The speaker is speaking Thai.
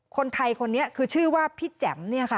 คนไทยคนนี้คือชื่อว่าพี่แจ๋ม